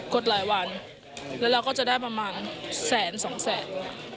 ดหลายวันแล้วเราก็จะได้ประมาณแสนสองแสน